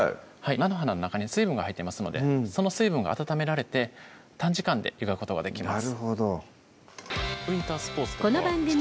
菜の花の中に水分が入ってますのでその水分が温められて短時間で湯がくことができます